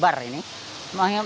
tapi ini sudah tersebar